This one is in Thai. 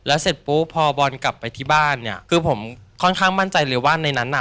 แล้วเสร็จปุ๊บพอบอลกลับไปที่บ้านเนี่ยคือผมค่อนข้างมั่นใจเลยว่าในนั้นน่ะ